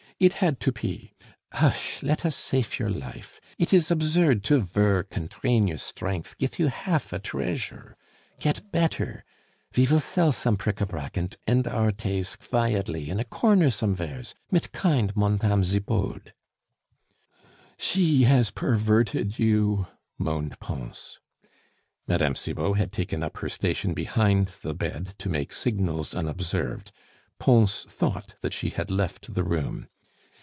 "It had to pe. Hush! let us safe your life. It is absurd to vork and train your sdrength gif you haf a dreasure. Get better; ve vill sell some prick a prack und end our tays kvietly in a corner somveres, mit kind Montame Zipod." "She has perverted you," moaned Pons. Mme. Cibot had taken up her station behind the bed to make signals unobserved. Pons thought that she had left the room.